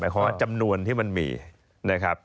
หมายความว่าจำนวนที่มันมีนะครับ